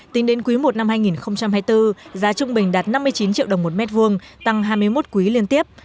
tính đến quý i năm hai nghìn hai mươi bốn giá trung bình đạt năm mươi chín triệu đồng một mét vuông tăng hai mươi một quý liên tiếp